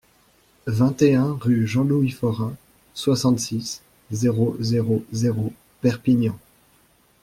vingt et un rue Jean-Louis Forain, soixante-six, zéro zéro zéro, Perpignan